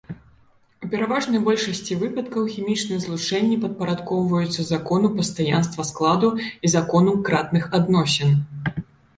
У пераважнай большасці выпадкаў хімічныя злучэнні падпарадкоўваецца закону пастаянства складу і закону кратных адносін.